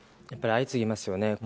やっぱり相次ぎますよね。